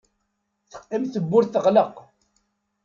Teqqim tewwurt teɣleq.